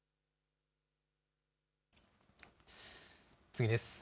次です。